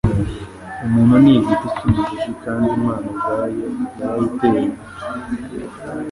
Umuntu ni igiti cy'umushishi kandi Imana ubwayo yarayiteye